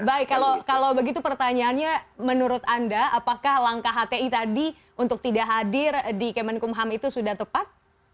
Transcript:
baik kalau begitu pertanyaannya menurut anda apakah langkah hti tadi untuk tidak hadir di kemenkumham itu sudah tepat